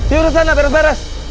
yaudah sana beres beres